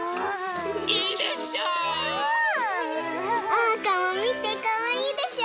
おうかもみてかわいいでしょ？